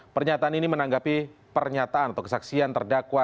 pernyataan ini menanggapi pernyataan atau kesaksian terdakwa